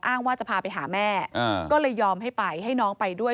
ว่าจะพาไปหาแม่ก็เลยยอมให้ไปให้น้องไปด้วย